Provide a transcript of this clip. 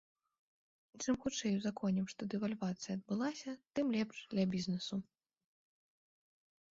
Чым хутчэй ўзаконім, што дэвальвацыя адбылася, тым лепш для бізнэсу.